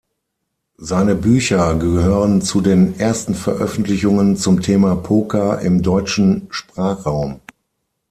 Seine Bücher gehören zu den ersten Veröffentlichungen zum Thema Poker im deutschen Sprachraum.